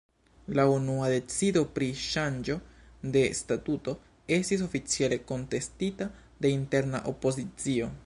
La unua decido pri ŝanĝo de statuto estis oficiale kontestita de interna opozicio.